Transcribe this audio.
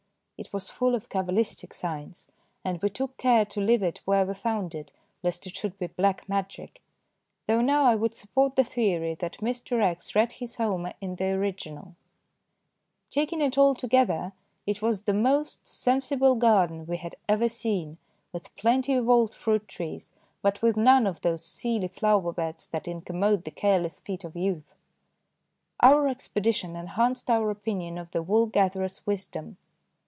It was full of cabalistic signs, and we took care to leave it where we found it lest it should be black magic, though now I would support the theory that Mr. X. read his Homer in the original. Taking it 200 THE DAY BEFORE YESTERDAY altogether, it was the most sensible garden we had ever seen, with plenty of old fruit trees, but with none of those silly flower beds that incommode the careless feet of youth. Our expedition enhanced our opinion of the wool gatherer's wisdom.